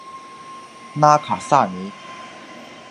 拉卡萨尼。